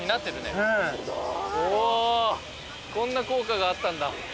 おこんな効果があったんだ。